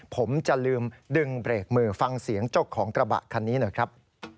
ผมจะลืมดึงเบรกมือฟังเสียงเจ้าของกระบะคันนี้หน่อยครับ